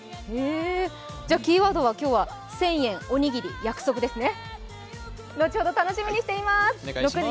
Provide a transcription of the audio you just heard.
キーワードは今日は１０００円、おにぎり、約束ですね。